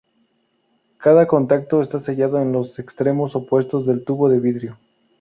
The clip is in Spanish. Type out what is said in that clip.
Cada contacto está sellado en los extremos opuestos del tubo de vidrio.